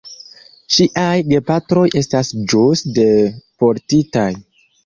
Ŝiaj gepatroj estas ĵus deportitaj.